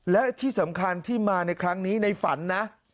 และที่สำคัญที่มาในครั้งนี้ในฝันนะ